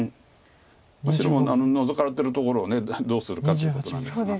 白がノゾかれてるところをどうするかっていうことなんですが。